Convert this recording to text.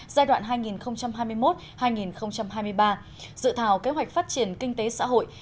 giai đoạn hai nghìn hai mươi một hai nghìn hai mươi ba dự thảo kế hoạch phát triển kinh tế xã hội